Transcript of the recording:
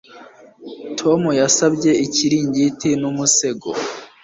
Tom yasabye ikiringiti numusego